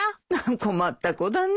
困った子だねえ。